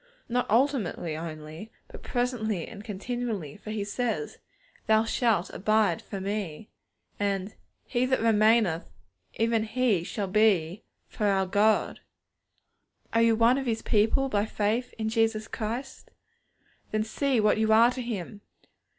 _' Not ultimately only, but presently and continually; for He says, 'Thou shalt abide for Me;' and, 'He that remaineth, even he shall be for our God.' Are you one of His people by faith in Jesus Christ? Then see what you are to Him.